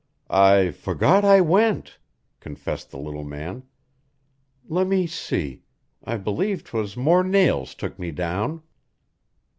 "I forgot I went," confessed the little man. "Lemme see! I believe 'twas more nails took me down."